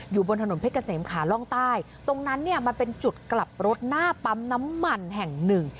บนถนนเพชรเกษมขาล่องใต้ตรงนั้นเนี่ยมันเป็นจุดกลับรถหน้าปั๊มน้ำมันแห่งหนึ่ง